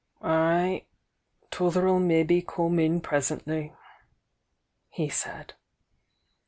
"Ay! 'Tother'U mebbe come in presently," he said.